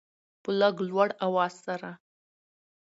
په لږ لوړ اواز سره